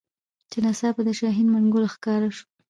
چي ناڅاپه د شاهین د منګول ښکار سو